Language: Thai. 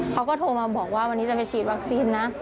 เขาก็โทรมาบอกว่าวันนี้จะไปฉีดวัคซีนนะ